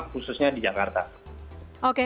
khususnya di jakarta oke